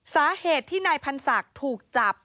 สาเหตุที่นายพันศักดิ์ถูกจับ